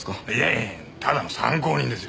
いやいやただの参考人ですよ。